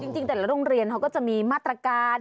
จริงแต่ละโรงเรียนเขาก็จะมีมาตรการ